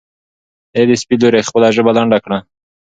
ای د سپي لورې خپله ژبه لنډه کړه.